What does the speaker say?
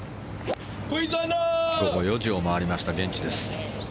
午後４時を回りました現地です。